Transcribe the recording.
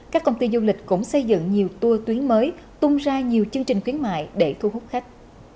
các công ty du lịch cũng xây dựng nhiều tour tuyến mới tung ra nhiều chương trình khuyến mại để thu hút khách